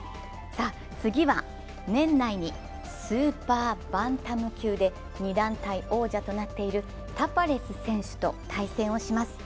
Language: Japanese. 次は年内にスーパーバンタム級で２団体王者となっているタパレス選手と対戦をします。